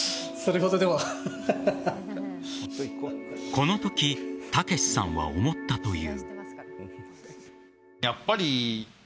このとき剛さんは思ったという。